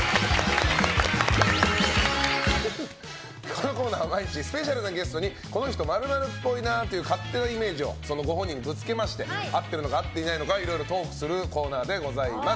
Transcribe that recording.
このコーナーは、毎日スペシャルなゲストにこの人○○っぽいなという勝手なイメージをゲストご本人にぶつけまして合っているのか合っていないのかいろいろトークするコーナーでございます。